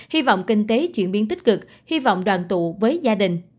hy vọng kinh tế chuyển biến tích cực hy vọng đoàn tụ với gia đình